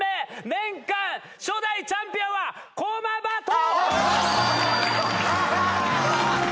年間初代チャンピオンは駒場東邦。